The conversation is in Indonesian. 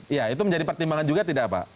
iya itu menjadi pertimbangan juga tidak pak